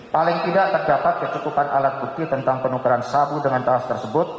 paling tidak terdapat kecutupan alat bukti tentang penukaran sabu dengan tas tersebut